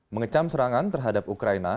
mengecam serangan terhadap ukraina